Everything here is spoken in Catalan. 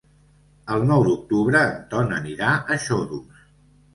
El nou d'octubre en Ton anirà a Xodos.